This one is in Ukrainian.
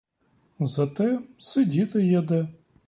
Зате сидіти є де.